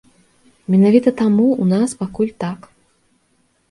Менавіта таму ў нас пакуль так.